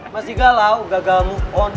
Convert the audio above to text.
masih galau gagal move on